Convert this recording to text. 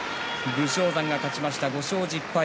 武将山が勝ちました、５勝１０敗。